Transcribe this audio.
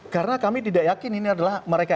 karena kami tidak yakin ini adalah